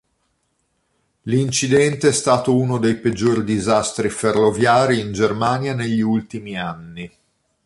L'incidente è stato uno dei peggiori disastri ferroviari in Germania negli ultimi anni.